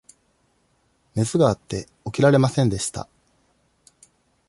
熱があって、起きられませんでした。